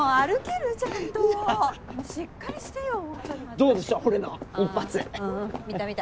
どうでした？